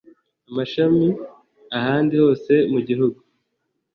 amashami ahandi hose mu gihugu